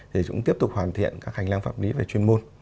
thì cũng tiếp tục hoàn thiện các hành lang pháp lý về chuyên môn